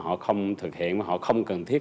họ không thực hiện họ không cần thiết